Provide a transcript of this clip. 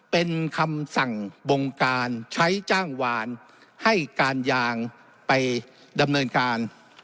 เป็นคำสั่งบงการใช้จ้างวานให้การยางไปดำเนินการ